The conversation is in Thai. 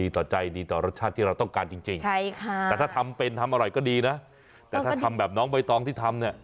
แต่ถ้าทำแบบน้องเบยต้องที่ทำ